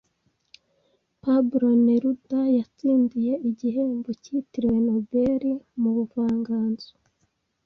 Pablo Neruda yatsindiye igihembo cyitiriwe Nobel mu buvanganzo.